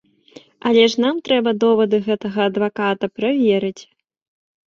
Але ж нам трэба довады гэтага адваката праверыць.